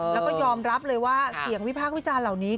แล้วก็ยอมรับเลยว่าเสียงวิพากษ์วิจารณ์เหล่านี้